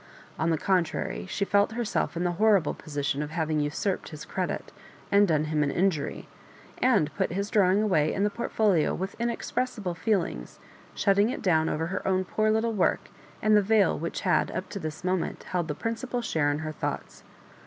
On the contrary, she felt herself in the horrible position of having usurped his credit, and done him an injury, and put bis drawing away in the portfolio with inexpressible feelings, shutting it down over her own poor Utile work and the veil which had up to this moment held the principal share in her thoughts.